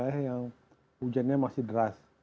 jadi misalnya yang hujannya masih deras